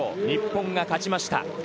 日本が勝ちました。